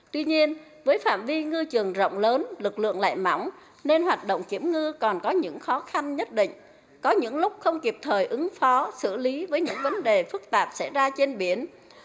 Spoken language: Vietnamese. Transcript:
tuy nhiên với phạm vi ngư trường rộng lớn lực lượng lại mỏng nên hoạt động kiểm ngư còn có những khó khăn nhất định có những lúc không kịp thời ứng phó xử lý với những vấn đề phức tạp xảy ra trên biển